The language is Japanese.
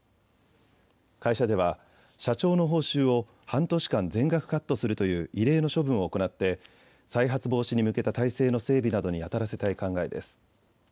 会社では社長の報酬を半年間全額カットするという異例の処分を行って再発防止に向けた態勢の整備などにあたらせたい考えです。